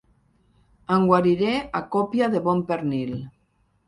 Em guariré a còpia de bon pernil.